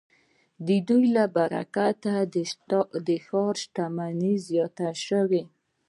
د دوی له برکته د ښار شتمني زیاته شوې.